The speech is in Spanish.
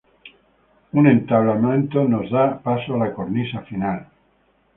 Un entablamento nos da paso a la cornisa final.